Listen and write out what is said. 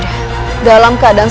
dalam keadaan seorang kandungan